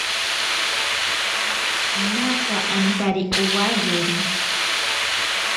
Naaka antari owayeri.